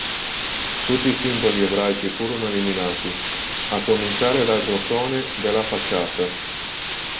Tutti i simboli ebraici furono eliminati, a cominciare dal rosone della facciata.